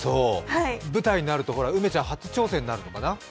舞台になると、梅ちゃん、初挑戦になるのかな？